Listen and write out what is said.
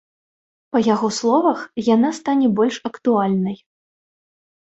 Па яго словах, яна стане больш актуальнай.